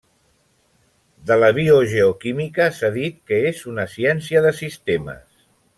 De la biogeoquímica s'ha dit que és una ciència de sistemes.